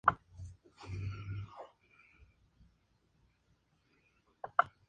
Añade, se han usado en la epilepsia y la neurosis en general.